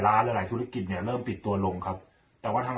หลายหลายธุรกิจเนี่ยเริ่มปิดตัวลงครับแต่ว่าทาง